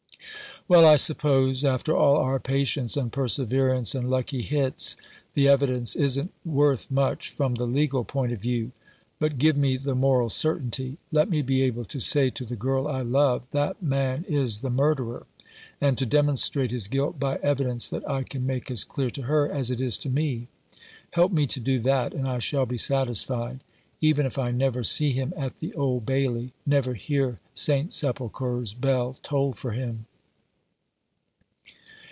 "Well, I suppose, after all our patience and perseverance and lucky hits, the evidence isn't worth much from the legal point of view. But give me the moral certainty. Let me be able to say to the girl I love, That man is the murderer ! and to demonstrate his guilt by evidence that I can make as clear to her as it is to me. Help me to do that, and I shall be satisfied — even if I never see him at the Old Bailey, never hear St. Sepulchre's bell toll for him."